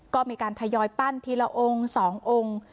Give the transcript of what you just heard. ก็มีการทยอยปั้นทีละองค์๒องค์